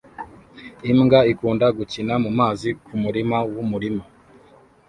Imbwa ikunda gukina mumazi kumurima wumurima